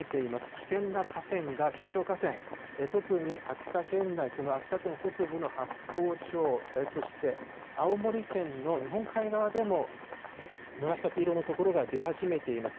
危険な河川が、中小河川、特に秋田県内、この秋田県北部の八峰町、そして青森県の日本海側でも紫色の所が出始めています。